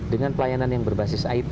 dengan pelayanan yang berbasis it